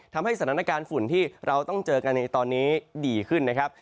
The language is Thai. ทำให้สถานการณ์ฝุ่นที่เราต้องเจอกันในตอนนี้ดีขึ้นนะครับ